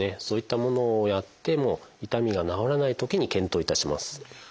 そういったものをやっても痛みが治らないときに検討いたします。